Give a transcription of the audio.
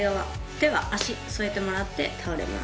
手は脚添えてもらって倒れます。